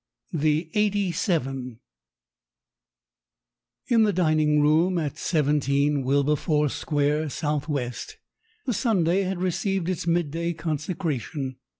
V THE 'EIGHTY SEVEN IN the dining room at 17 Wilber force Square, S.W., the Sunday had received its midday consecration.